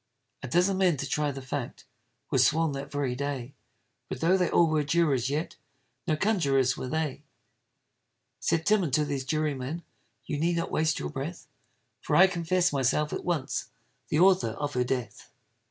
A dozen men to try the fact, Were sworn that very day; But tho' they all were jurors, yet No conjurors were they. Said Tim unto those jurymen, You need not waste your breath, For I confess myself at once The author of her death.